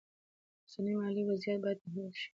اوسنی مالي وضعیت باید تحلیل شي.